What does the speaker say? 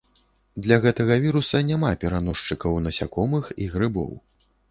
Для гэтага віруса няма пераносчыкаў насякомых і грыбоў.